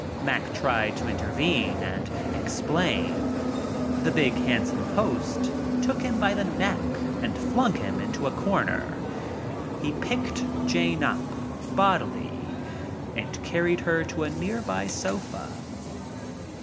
Mack tried to intervene and explain. The big, handsome host took him by the neck and flung him into a corner. He picked Jane up bodily and carried her to a nearby sofa.